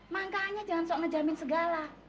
makanya jangan sok ngejamin segala